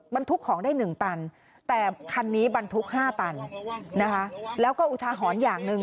บรรทุกของได้๑ตันแต่คันนี้บรรทุก๕ตันนะคะแล้วก็อุทาหรณ์อย่างหนึ่ง